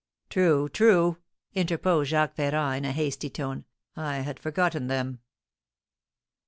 "True, true!" interposed Jacques Ferrand, in a hasty tone, "I had forgotten them."